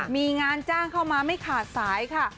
มีงานจ้างเข้ามาไม่ขาดสายค่ะ